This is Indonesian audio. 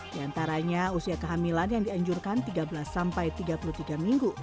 di antaranya usia kehamilan yang dianjurkan tiga belas sampai tiga puluh tiga minggu